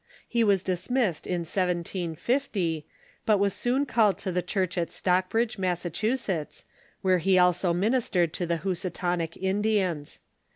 He was dismissed in 1750, but was soon called to the church at Stockbridge, Massachusetts, where he also ministered to the Housatonic Indians.